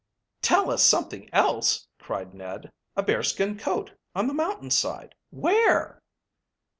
"Tell us something else," cried Ned. "A bearskin coat on the mountain side! Where?"